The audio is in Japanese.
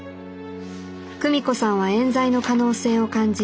久美子さんはえん罪の可能性を感じ